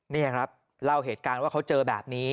นี่ครับเล่าเหตุการณ์ว่าเขาเจอแบบนี้